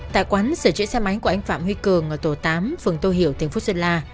tại quán sở trị xe máy của anh phạm huy cường ở tổ tám phường tô hiểu tỉnh phúc sơn la